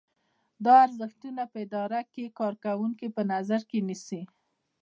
دا ارزښتونه په اداره کې کارکوونکي په نظر کې نیسي.